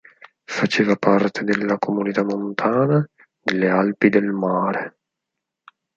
Faceva parte della comunità montana delle Alpi del Mare.